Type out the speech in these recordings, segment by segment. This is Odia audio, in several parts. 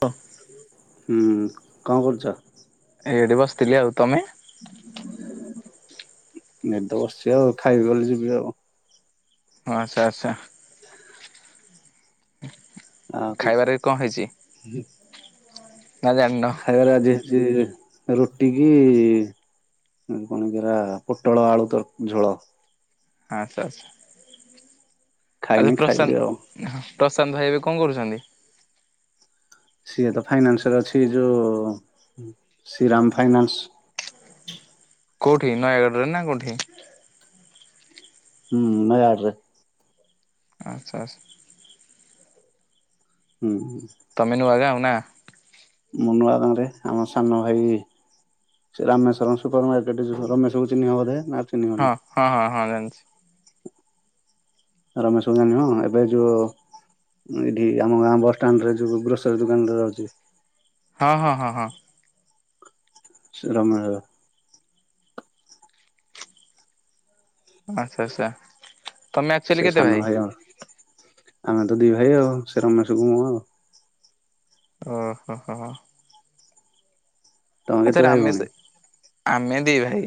ହଁ ହୁଁ। କଣ କରୁଛ? ଏଡି ବସିଥିଲି। ଆଉ ତମେ? ଏ ତ ବସିଛି ଆଉ। ଖାଇବି ବୋଲି ଯିବି ଆଉ। ହଁ, ଆସ ଆସ। ଖାଇବାରେ କଣ ହେଇଛି [inaudible] ନା ଜାଣିନ? ଖାଇବାରେ ଆଜି ଅଛି, ରୁଟି କି କଣ କିରା ପୋଟଳ ଆଳୁ ତ ଝୋଳ। ହଁ ଆମ ଆସ। ଖାଇନି ଆରେ ଖାଇବି ଆଉ ପ୍ରସାନ୍ତ ପ୍ରଶାନ୍ତ ଭାଇ ଏବେ କଣ କରୁଛନ୍ତି? ସିଏ ତ ଫାଇନାନ୍ସରେ ଅଛି। ଯୋଉ ଶ୍ରୀରାମ ଫାଇନାନ୍ସ। କୋଉଠି? ନୟାଗଡ଼ ରେ ନା କୋଉଠି? ହୁଁ। ନୟାଡ଼ରେ। ଆଚ୍ଛା ଆଛା ହୁଁ। ମେନ ନୂଆ ଗାଁ ଆଉ ନା ମୁଁ ନୁଆ ଗାଁ ରେ ଆମ ସାନ ଭାଇ ସେ ରାମେଶ୍ୱର ସୁପର ମାର୍କେଟ ରେ ମୋ ଘର ରମେଶକୁ ଚିହ୍ନବ ବଧେ ନା ହଁ, ଚିହ୍ନିବନି ହଁ ହଁ ହଁ, ଜାଣିଛି। ରମେଶ କୁ ଜାଣିବ। ଏବେ ଯୋ ଏଇଠି ଆମ ଗାଁ ବସଷ୍ଟାଣ୍ଡରେ ଯୋ ଗ୍ରୋସରୀ ଦୋକାନ ରେ ରହୁଛି। ହଁ, ହଁ, ହଁ, ହଁ। ସେ ରମ ଦା ଆଚ୍ଛା ଆଚ୍ଛା। ତମେ ଆକ୍ଚୁଆଲି ସେ କେତେ ସାନ ଭାଇ ଜଣେ। ଆମେ ତ ଦି ଭାଇ ଆଉ। ସେ ରମେଶକୁ ମୁଁ ଆଉ। ଓ ହୋ ହୋ ହୋ ହୋ। ତମେ କେତେ ଆଚ୍ଛା ଭାଇ ଭଉଣୀ? ରାମେଶ, ଆମେ ଦି ଭାଇ।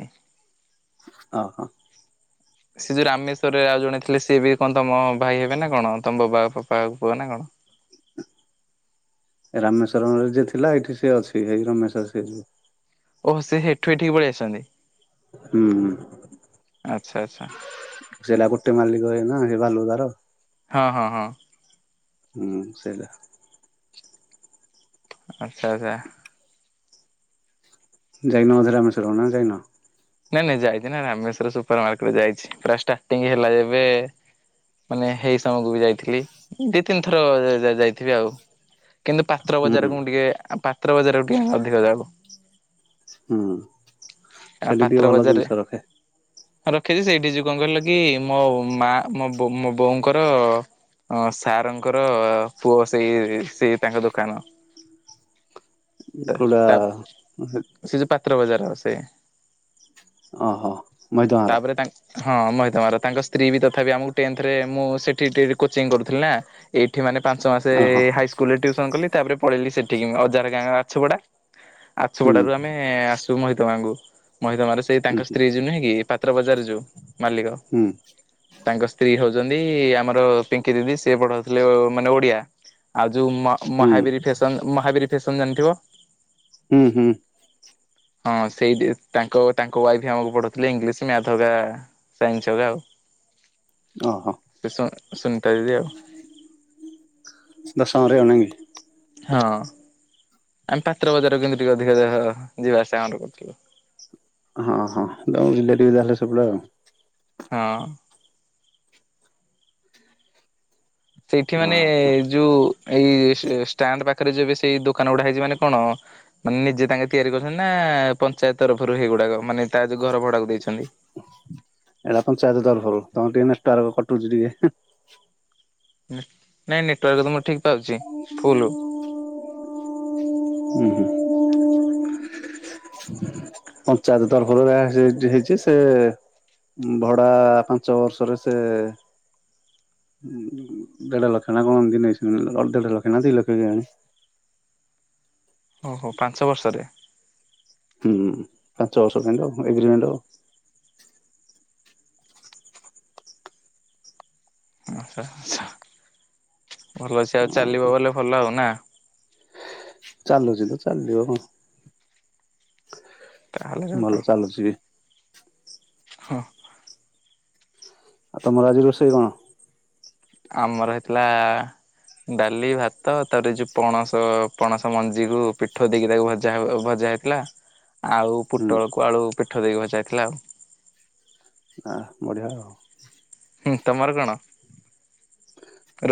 ଆ ହଁ। ସେ ଯୋଉ ରାମେଶ୍ୱରରେ ଆଉ ଜଣେ ଥିଲେ ସିଏ ବି କଣ ତମ ଭାଇ ହେବେ ନା କଣ? ତମ ବବା ଫପା ବ ପୁଅ ନା କଣ? ରାମେଶ୍ୱରମରେ ଯିଏଥିଲା ଏଇଠି ସିଏ ଅଛି। ହେଇ ରମେଶ୍ର ସେଏ ଯଉ। ଓହ ସେ ହେଠୁ ଏଠିକି ପଳେଇ ଆସଛନ୍ତି। ହୁଁ ହୁଁ। ଆଚ୍ଛା ଆଚ୍ଛା। ସେଲା ଗୋଟେ ମାଲିକ ହେଇ ନା। ଏ ବାଲଗୁଦାର। ହଁ ହଁ ହଁ। ହୁଁ, ସେଇଟା। ଆଚ୍ଛା ଆଚ୍ଛା ଯାଇନ ମଝିରେ ରାମେଶ୍ୱରମ ନ ଯାଇନ? ନାଇଁ ନାଇଁ ଯାଇଚିନା ରାମେଶ୍ୱର ସୁପର ମାର୍କେଟ ଯାଇଚି ପୁରା ଷ୍ଟାର୍ଟିଂ ହେଲା ଯେବେ ମାନେ ହେଇ ସମୟକୁବି ଯାଇଥିଲି ଦି ତିନି ଥର ଯା ଯାଇଥିବି ଆଉ। କିନ୍ତୁ ପାତ୍ର ହୁଁ ହୁଁ ବଜାରକୁ ମୁଁ ଟିକେ ପାତ୍ର ବଜାରକୁ ଟିକେ ଆମେ ଅଧିକ ଯାଉ। ହୁଁ। ତା ସେଠି ଟିକେ ପାତ୍ର ଭଲ ବଜାରରେ ଜିନିଷ ରଖେ ରଖିଚି ସେଇଠି ଯୋ କଁ କହିଲକି ମୋ ମା ମୋବୋ ମୋବୋଉଙ୍କର ହଁ ସାର୍ଙ୍କର ପୁଅ ସେଇ ଏ ସେଇ ତାଙ୍କ ଦୋକାନ। ତ କୋଉଟା ତା ସେଯୋଉ ପାତ୍ର ବଜାର ସେ। ଅଁ ହଁ। ତାପରେ ତାଙ୍କ ହଁ ମହିତ ମାର ତାଙ୍କ ସ୍ତ୍ରୀବି ତଥାପି ଆମକୁ ଟେନ୍ତରେ ମୁଁ ସେଠି ଟି କୋଚିଂ କରୁଥିଲି ନା। ଏଇଠି ମାନେ ପାଞ୍ଚ ମାସେ ଓହୋ ଏ ହାଇସ୍କୁଲରେ ଟିଉସନ୍ କଲି ତାପରେ ପଳେଇିଲି ସେଠିକି ଅଜାର ଗାଁ ଆଛପଡ଼ା ହୁଁ ଆଛୁପଡ଼ାରୁ ଆମେ ଆସୁ ମହିତ ଗାଁଙ୍କୁ। ମହିତ ମାର ସେଇ ହୁଁ ତାଙ୍କ ସ୍ତ୍ରୀ ଯଉ ନୁହେଁକି ପାତ୍ର ବଜାର ଯଉ ମାଲିକ ହୁଁ ତାଙ୍କ ସ୍ତ୍ରୀ ହଉଚନ୍ତି ଆମର ପିଙ୍କି ଦିଦି ସିଏ ପଢଉଥିଲେ ମାନେ ଓଡ଼ିଆ ଆଉ ଯୋଉ ମ ହୁଁ ମହାବୀରୀ ଫେସନ୍ ମହାବୀରୀ ଫେସନ୍ ଜାଣିଥିବ? ହୁଁ ହୁଁ। ହଁ ସେଇଠି ତାଙ୍କ ତାଙ୍କ ୱାଇଫ ଆମକୁ ପଢଉଥିଲେ ଇଂଲିଶ ମ୍ୟାଥ୍ ହକା ସାଇନ୍ସ ହକା ଆଉ। ଓହୋ ସେ ସୁ ସୁନିତା ଦିଦି ଆଉ। ଦଶମରେ ନାଇଁକି? ହଁ ଆମେ ପାତ୍ର ବଜାରକୁ କିନ୍ତୁ ଟିକେ ଅଧିକା ଦେହ ଯିବା ଆସିବା ଆମର କରୁଥିଲୁ। ହଁ ହଁ ତମ ରିଲେଟିଭ ଯାହେଲେ ସେପଟେ ଆଉ। ହଁ। ସେଇଠି ମାନେ ହଁ ଯୋଉ ଏଇ ଷ୍ଟାଣ୍ଡ ପାଖରେ ଯୋବେ ସେଇ ଦୋକାନ ଗୁଡ଼ା ହେଇଚି ମାନେ କଣ ମାନେ ନିଜେ ତାଙ୍କେ ତିଆରି କରଛନ୍ତି ନା ପଞ୍ଚାୟତ ତରଫରୁ ହେଇଗୁଡ଼ାକ ମାନେ ତା ଯଉ ଘର ଭଡ଼ାକୁ ଦେଇଛନ୍ତି। ଏଟା ପଞ୍ଚାୟତ ତରଫରୁ ତମର ଟିକେ ନେଟୱାର୍କ କଟୁଚି ଟିକେ ହେଁ। ନାଇଁ ନେଟୱାର୍କତ ମୋର ଠିକ୍ ପାଉଚି ଫୁଲ୍। ଉଁ ହୁଁ। ପଞ୍ଚାୟତ ତରଫରୁ ଏରା ସେଇଟି ହେଇଚି ସେ ଭଡ଼ା ପାଞ୍ଚ ବର୍ଷର ସେ ହଁ ଦେଢ ଲକ୍ଷନା କଣ ଇମିନ୍ତି ନେଇଚନ୍ତି ଦେଢ ଲକ୍ଷନା ଦିଲକ୍ଷ କେଆଣି। ଓହୋ ପାଞ୍ଚ ବର୍ଷରେ। ହୁଁ ପାଞ୍ଚ ବର୍ଷ ପାଇଁତ ଏଗ୍ରିମେଣ୍ଟ ଆଉ। ଆଛା ଆଛା ଭଲ ଅଛି ଆଉ ଚାଲିବ ବଲେ ଭଲ ଆଉ ନା? ଚାଲୁଚିତ ଚାଲିବ କଁ। ତାହେଲେ ଯୋଉଟା ଭଲ ଚାଲୁଚିବି। ହଁ। ଆଉ ତମର ଆଜି ରୋଷେଇ କଣ? ଆମର ହେଇଥିଲା ଆ ଡାଲି ଭାତ ତାପର ଯୋଉ ପଣସ ପଣସ ମଞ୍ଜିରୁ ପିଠଉ ଦେଇକି ତାକୁ ଭାଜି ଯାହଉ ଭଜା ହେଇଥିଲା। ଁ [inaudible] ଆଉ ପୁଟଳକୁ ଆଳୁ ପିଠଉ ଦେଇକି ଭଜାହେଇଥିଲା ଆଉ। ଆ ବଢିଆ ଆଉ। ହୁଁ ତମର କଣ?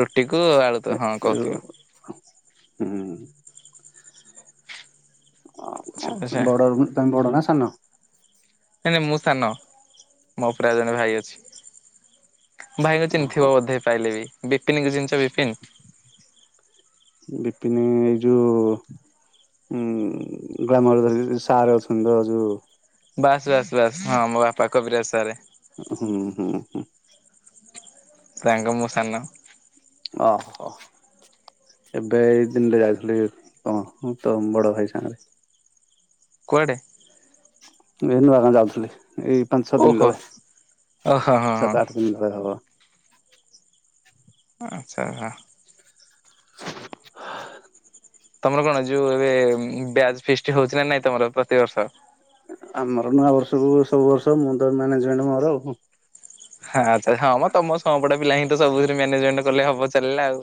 ରୁଟି କୁ ଆଳୁ ତ ହଁ କହୁଥିଲ। ହୁଁ ଉଁ। ଆଉ ଆଚ୍ଛା କଣ? ଆଚ୍ଛା ବଡ ତମେ ବଡ ନା ସାନ? ନାଇଁ ନାଇଁ ମୁଁ ସାନ। ମୋ ଉପରେ ଜଣେ ଭାଇ ଅଛି। ଭାଇକୁ ଚିିହ୍ନିଥିବ ଓହୋ ବୋଧେ ପାଇଲେ ବି ବିପିନିକି ଚିହ୍ନିଚ ବିପିନ। ବିପିନ ଏଇ ଯୋଉ ହୁଁ ଗ୍ଲାମର ଧରିକି ଯୋଉ ସାର ଅଚନ୍ତି ତ ଯୋଉ। ବାସ୍ ବାସ୍ ବାସ୍ ହଁ ମୋ ବାପା କବିରାଜ ସାରେ। ହୁଁ ହୁଁ ହୁଁ। ତାହାଙ୍କ ମୁଁ ସାନ। ଅହ। ଏବେ ଏଇ ଦିଲେ ଯାଇଥିଲି କଣ ତମ ବଡ ଭାଇ ସାଙ୍ଗରେ। କୁଆଡ଼େ? ଏ ନୁଆଗାଁ ଯାଉଥିଲି। ଏଇ ପାଞ୍ଚ ଛଅ ଦିନି ଓହୋ ତଳେ। ଓହୋ ହଁ ହଁ ସାତ ଆଠ ନ ଭଳିଆ ହବ। ଆଚ୍ଛା ଆହା। ତମର କଣ ଯୋଉ ଏବେ ବ୍ୟାଜ ଫିଷ୍ଟ ହଉଚି ନା ନାଇଁ ତମର ପ୍ରତିିବର୍ଷ? ଆମର ନୂଆ ବର୍ଷକୁ ସବୁ ବର୍ଷ ମୁଁ ତ ମ୍ୟାନେଜମେଣ୍ଟ ମୋର ଆଉ। ହାଁ ତ ହଁ ତମ ସଂଅପଟ ପିଲା ହିଁ ତ ସବୁଥିରେ ମ୍ୟାନେଜମେଣ୍ଟ କଲେ ହବ ଚାଲିଲା ଆଉ।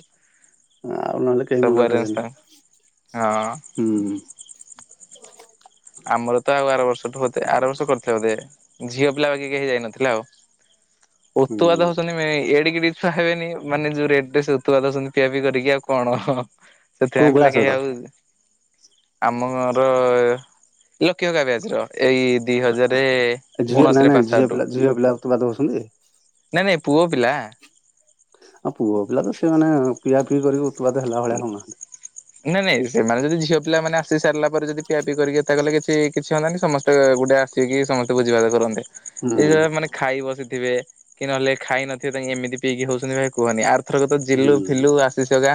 ଆଉ ନହେଲେ କେହି ସବୁ ମୁଣ୍ଡ ଆରେଞ୍ଜ ତାଙ୍କ ହଁ ଖେଳିବେନି। ହୁଁ। ଆମର ତ ଆଉ ଆର ବର୍ଷଠୁ ବୋଧେ ଆର ବର୍ଷ କରିଥିଲେ ବଧେ। ଝିଅ ପିଲା ବାକି କେହି ଯାଇନଥିଲା ଆଉ। ହୁଁ। ଉତୁପାତ ହୋଉଚିନ୍ତି ଏଡିକି ବି ଛୁଆ ହେବେନି ମାନେ ଯୋଉ ରେଟ ରେ ସେ ଉତପାତ ହଉଚନ୍ତି ପିଆ ପି କରିକି ଆଉ କଣ? କୋଉ ସେଥିପାଇଁ ପିଲା କେହି କ୍ଲାସର ଆଉ ଆମର ଲକି ହକା ବ୍ୟାଜ ର। ଏଇ ଦି ହଜାର ଝିଅ ନାଇଁ ଉଣଶିରେ ନାଇଁ ପାସ୍ ଝିଅ ଆଉଟ୍। ପିଲା ଝିଅ ପିଲା ଉତ୍ପାତ ହଉଛନ୍ତି। ନାଇଁ ନାଇଁ ପୁଅ ପିଲା। ଆଉ ପୁଅ ପିଲା ତ ସେମାନେ ପିଆଫିଇ କରିକି ଉତପାତ ହେଲା ଭଳିଆ ହଉନାହାନ୍ତି। ନାଇଁ ନାଇଁ ସେମାନେ ଯଦି ଝିଅ ପିଲା ମାନେ ଆସି ସାରିଲା ପରେ ଯଦି ପିଆ ପିଇ କରିକି ଏତେ କଲେ କିଛି କିଛି ହୁଅତାନି ସମସ୍ତେ ଗୋଟେ ଆସ କି ମିସିକି ସମସ୍ତେ ଭୋଜିଭାତ କରନ୍ତେ। ଏଇ ହୁଁ। ଯୋ ଏମାନେ ଖାଇ ବସିଥିବେ, କି ନହେଲେ ଖାଇ ନଥିବେ ତାଙ୍କେ ଏମିତି ପିଇକି ହଉଚନ୍ତି ଭାଇ କୁହନି। ଆର ଥରକ ହୁଁ ଜିଲୁ ଫିଲୁ ଆସିଶ ହକା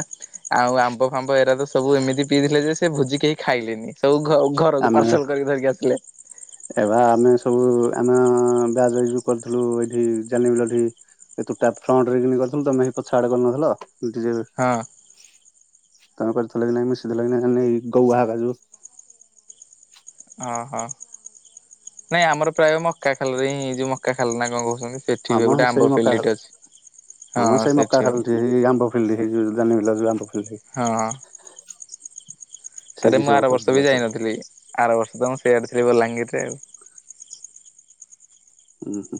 ଆଉ ଆମ୍ବ ଫାମ୍ବ ଏ ରାତ ତ ସବୁ ଏମିତି ପିଇଦେଇଥିଲେ ଯେ ସେ ଭୋଜି କେହି ଖାଇଲେନି। ସବୁ ଘ୍ ଘରକୁ ଆମେ ପାର୍ସଲ କରିକି ଧରିକି ଆସଲେ। ଏବା ଆମେ ସବୁ ଆମ ବ୍ୟାଚ ଏଇ ଯୋଉ କରଥୁଲୁ ଏଇଠି ଯାନି ବାଲି ଏ ତୁଟା ଫ୍ରଣ୍ଟ ରେ କିନି କରିଥିଲୁ ତମେ ହେଇ ପଛ ଆଡ଼େ କରିନଥିଲ। ଯବେ ହଁ। ତମେ କରିଥିଲ କି ନାଇ ମୁଁ ମିଶିଥିଲ କି ନାଇାଇ ଗଉ ବାହା କା ଯୋଉ। ଓହୋ ନାଇଁ ଆମର ପ୍ରାୟ ମକା ଖାଲରେ ହିଁ ଯୋଉ ମକା ଖାଲ ନା କଣ କହୁଚନ୍ତି? ହଁ ମ ହେ ସେଇ ମକାଖାଲରେ। ଆମର ହଁ ସେଇ ସେଠି ମକା ଖାଲହୋଉଚି ଏଇ ଆମ୍ବ ଫିଲିଡ ହେଇ ଯାନୁବିଲ ଯୋଉ ଆମ୍ବ ଫିଲି ହେଇ ହଁ। [inaudible] ତ ରେ ସେଇଠି ମୁଁ ସବୁ ଆର ବର୍ଷ କରିଥିଲ ବି ସବୁ ଯାଇନଥିଲି ଆର ବର୍ଷ ତ ମୁଁ ସେଆଡେ ଥିଲି ବଲାଙ୍ଗୀରରେ ଅଉ। ଉଁ ହୁଁ।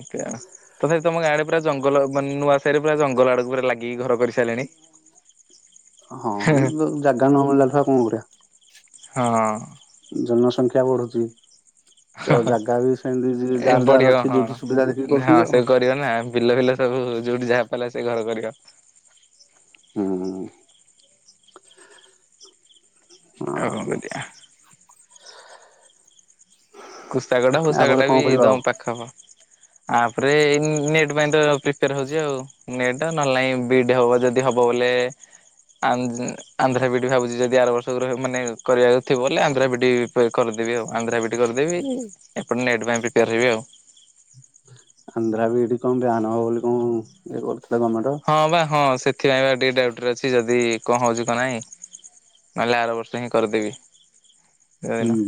ଏକା। ତଥାପି ତମ ଗାଁ ଆଡେ ପୁରା ଜଙ୍ଗଲ ମାନେ ନୂଆ ସାହି ରେ ପୁରା ଜଙ୍ଗଲ ଆଡକୁ ପୁରା ଲାଗିକି ଘର କରିସାରିଲେଣି। ହଁ ଜାଗା ନ ମିଳିଲା ଆଉ କଣ କରିବା? ହଁ। ଜନସଂଖ୍ୟା ବଢୁଛି। ତ ଜାଗା ବି ସେମିତି ଯ ଏ ଯାହାର ଯାହାର ଅଛି ଯୋଉଠି ସୁବିଧା ଦେଖିକି କରୁଛନ୍ତି ଆଉ। ଏଆଡ଼େ ନା ବିଲ ଫିଲ ସବୁ ଯୋଉଠି ଯାହା ପାଇଲା ସେ ଘର କରି ହୁଁ। ଆଉ କଣ କରିଆ? କୁସ୍ତାଗଟା ଆ ପରେ ହୁସାଗଟା କଣ ବି କରିବା ଆଉ ତମ ପାଖ ହବ। ଆପରେ ନେଟ ପାଇଁ ତ ପ୍ରିପେୟାର ହଉଛି ଆଉ। ନିଟ ନହେଲା ନାଇଁ ବିଡ ହବ ଯଦି ହବ ବୋଲେ ଆଉ ଆନ୍ଧ୍ରା ବିଡ୍ ଭାବୁଛି ଯଦି ଆର ବର୍ଷକୁ ମାନେ କରିବାକୁ ଥିବ ବୋଲେ ଆନ୍ଧ୍ରା ବିଡ୍ କରିଦେବି ଆଉ ଆନ୍ଦ୍ରା ବିଡ୍ କରିି ଦେବି ଏପଟେ ନେଟ୍ ପାଇଁ ପ୍ରିପେୟାର ହେବି ଆଉ। ଆନ୍ଧ୍ର ବିଡ୍ କଣ ବାନ୍ ହେବ ବୋଲି କଣ ଇଏ କରୁଥିଲା ଗଭର୍ଣ୍ଣମେଣ୍ଟର। ହଁ ବା ହଁ ସେଥିପାଇଁ ବା ଟିକେ ଡାଉଟ ରେ ଅଛି ଯଦି କଣ ହଉଛି କଣ ନାଇଁ। ନହେଲେ ଆର ବର୍ଷ ହିଁ କରିଦେବି ହୁଁ ଦିନ।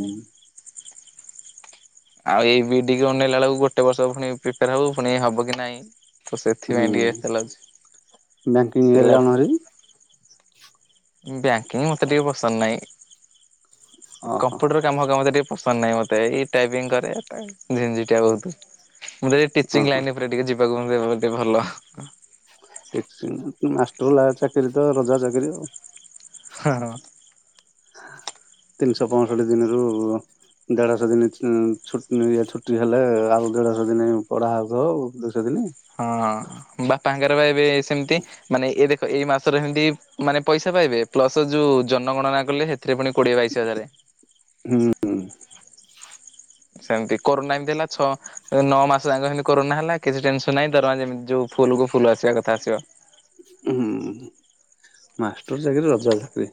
ଆଉ ଏଇ ବିଡି ଅନେଇଲା ବେଳକୁ ଗୋଟେ ବର୍ଷ ପୁଣି ପ୍ରିପେୟାର ହବ ପୁଣି ହବ କି ନାଇଁ? ତ ସେଥିପାଇଁ ହୁଁ ଟିକେ ଇଏ ଲାଗୁଚି ବ୍ୟାଙ୍କିଙ୍ଗ ଇଏରେ ଯାଉନ ପିଲାପ ହାରି ବ୍ୟାଙ୍କିଙ୍ଗ ମତେ ଟିକେ ପସନ୍ଦ ନାହିଁ ଓହୋ କମ୍ପୁଟର କାମୋ କା ମତେ ଟିକେ ପସନ୍ଦ ନାହିଁ ମତେ ଏଇ ଟାଇପିଙ୍ଗ କରେ ଜେଞ୍ଜି ଟା ବହୁତ ମୁଁ ଟିକେ ହଁ ଟିଚିଂ ହଁ ଲାଇନ ଉପରେ ଟିକେ ଯିବାକୁ ଟିକେ ଭଲ। [unintelligible] ମାଷ୍ଟର ଚାକିରୀ ତ ରଜା ଚାକିରୀ ଆଉ। ହଁ ହଁ। ତିନିଶହ ପଷଠି ଦିନରୁ ଦେଢ଼ଶହ ଦିନଛ ଇ ଛୁଟି ହେଲେ ଆଉ ଦେଢଶହ ଦିନ ପଢା ହକ ଦୁଇଶହ ଦିନ ହଁ ବାପାଙ୍କର ବା ଏବେ ସେମିତି ମାନେ ଏ ଦେଖ ଏଇ ମାସରେ ଏମିତି ମାନେ ପଇସା ପାଇବେ ପ୍ଲସ ଯେଉଁ ଜନଗଣନା କଲେ ସେଥିରେ ପୁଣି କୋଡ଼ିଏ ବାଇଶ ହଜାର। ହୁଁ ହୁଁ। ସେମିତି କରୋନା ଏମିତି ହେଲା ଛ ନଅ ମାସ ଯାଙ୍କ ହେମିତି କରୋନା ହେଲା କିଛି ଟେନସନ ନାହିଁ ତରମା ଯେମିତି ଯୋଉ ଫୁଲ୍ କୁ ଫୁଲ୍ ଆସିବା କଥା ଆସିବ। ହୁଁ। ମାଷ୍ଟର ଚାକିରୀ ରଜା ଚାକିରୀ।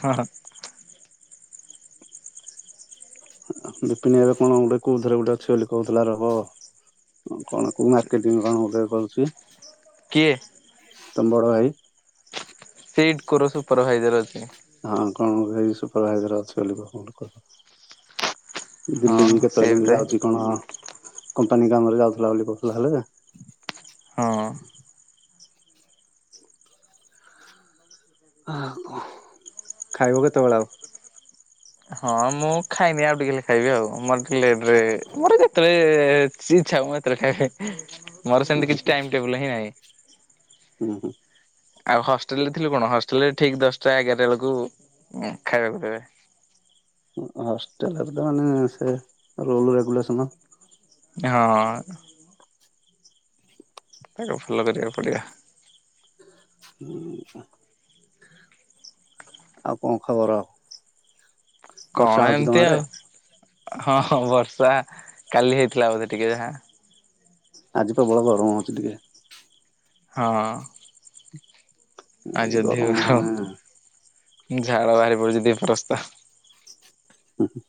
ହଁ ହଁ। ବିପିନି ଏବେ କଣ ଗୋଟେ କୋଉଥିରେ ଗୋଟେ ଅଛି ବୋଲି କହୁଥିଲା ରହ। ହଁ କଣ କୋ ମାର୍କେଟିଂ କଣ ଗୋଟେ କରୁଛି। କିଏ? ତମ ଭାଭ। ସେଇଟ କୋର ସୁପରଭାଇଜର ଅଛି। ହଁ କଣ ଏ ସୁପରଭାଇଜର ଅଛି ବୋଲି ଲର ହଁ ଦିଲ୍ଲୀ ବି ସିଏ କେତେବେଳେ ତ କେମତି ଯାଉଛି କଣ? କମ୍ପାନୀ କାମରେ ଯାଉଥିଲା ବୋଲି କହୁଥିଲା ହେଲେ ହଁ। ହଁ ଖାଇବ କେତେବେଳେ ଆଉ? ହଁ ମୁଁ ଖାଇନି ଆଉ ଟିକେ ଗଲେ ଖାଇବି ଆଉ ମୋର ବି ଲେଟ୍ ରେ ଯେତେବେଳେ ସେି୍ଛା ହ ମାତ୍ର ଖାଇବେ ମୋର ହୁଁ ସେମିତି କିଛି ଟାଇମ ଟେବୁଲ ହିଁ ନାହିଁ। ହୁଁ ହଁ ଆଉ ହଷ୍ଟେଲ ରେ ଥିଲୁ କଣ ହଷ୍ଟେଲ ରେ ଠିକ ଦଶଟା ଏଗାରା ବେଳକୁ ଖାଇବାକୁ ଦେବେ। ହଷ୍ଟେଲରେ ତ ମାନେ ସେ ରୁଲ ରେଗୁଲେସନ। ହଁ ତାକୁ [unintelligible] କରିବାକୁ କରିବା [unintelligible] ହୁଁ। ଆଉ କଣ ଖବର ଆଉ? ବର୍ଷା କଣ ହଉଛି ତମ ଏମିତି ଆଡେ ଆଉ ହଁ ହଁ ବର୍ଷା କାଲି ହେଇଥିଲା ବୋଧେ ଟିକେ ଯାହା ଆଜି ପ୍ରବଳ ଗରମ ହଉଛି ଟିକେ। ହଁ। ଆଜି ଆଜିଧ୍ୟ ଗରମ ଆ ମାନେ ଝାଳ ବାହାରି ପଡ଼ୁଛି ଫସ୍ତା [unintelligible] ହ ହ।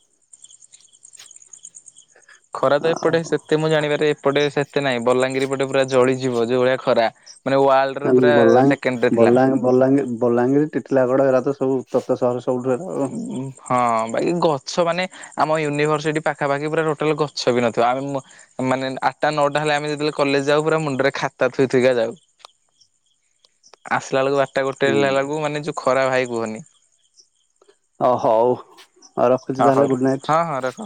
ଖରା ତ ଆଉ ଏପଟେ ସେତେ ମୁଁ ଜାଣିିବାରେ ଏପଟେ ଏତେ ନାଇଁ ବଲାଙ୍ଗିର ପଟେ ପୁରା ଜଳିଯିବ ଯୋଉ ଭଳିଆ ଖରା ମାନେୱାଲ ଆ ବଲାଙ୍ଗ ବଙ୍ଗ ବଲାଙ୍ଗୀର ବଲାଙ୍ଗୀର ଟିଟିଲାଗଡ଼ ଏରା ତ ସବୁ ତତା ସହର ସବୁଠୁ ଆଉ। ହଁ ଭାଇି ଗଛ ମାନେ ଆମ ୟୁନିଭରସିଟି ପାଖାପାଖି ପୁରା ଟୋଟାଲ ଗଛ ବି ନଥିବ ଆମେ ମାନେ ଆଠଟା ନଅଟା ହେଲେ ଆମେ ଯେତେବେଳେ କଲେଜ ଯାଉ ପା ମୁଣ୍ଡରେ ଖାତା ଥୋଇଥଇକା ଯାଉ। [inaudible] ଆସିଲା ବେଳକୁ ବାରଟା ଗୋଟେ ହୁଁ ହେଲା ବେଳକୁ ମାନେ ଯୋଉ ଖରା ଭାଇ କୁହନି। ଓ ହଉ ଆଉ ହ ରଖୁଛି ହଉ ତାହେଲେ ଗୁଡ ନାଇଟ୍। ହଁ ହଁ ରଖ।